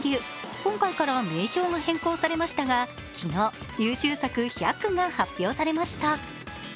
今回から名称が変更されましたが昨日、優秀作１００句が発表されました。